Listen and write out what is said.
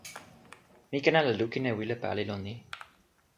mi ken ala lukin e wile pali lon ni.